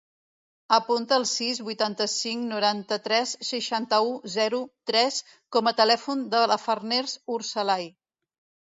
Apunta el sis, vuitanta-cinc, noranta-tres, seixanta-u, zero, tres com a telèfon de la Farners Urcelay.